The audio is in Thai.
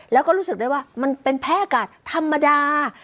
แล้วก็รู้สึกได้ว่ามันเป็นแพ้อากาศธรรมดา